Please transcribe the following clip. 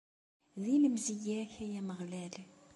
Di lemzeyya-k, ay Ameɣlal.